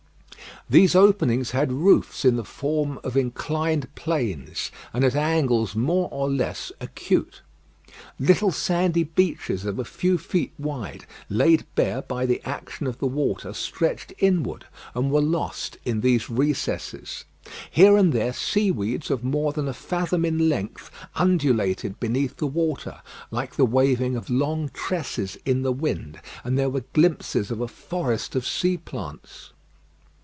These openings had roofs in the form of inclined planes, and at angles more or less acute. Little sandy beaches of a few feet wide, laid bare by the action of the water, stretched inward, and were lost in these recesses. Here and there seaweeds of more than a fathom in length undulated beneath the water, like the waving of long tresses in the wind; and there were glimpses of a forest of sea plants.